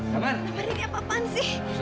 kamu siap sih